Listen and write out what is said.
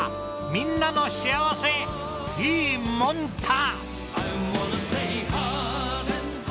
みんなの幸せいいモンタ！